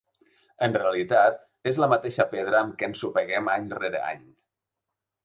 En realitat, és la mateixa pedra amb què ensopeguem any rere any.